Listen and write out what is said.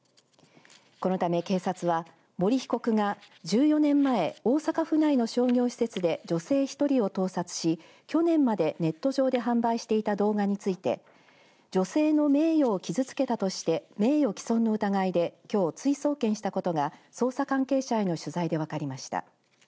このため、警察は森被告が１４年前、大阪府内の商業施設で女性１人を盗撮し去年までネット上で販売していた動画について女性の名誉を傷つけたとして名誉毀損の疑いできょう追送検したことが捜査関係者への取材で分かりました。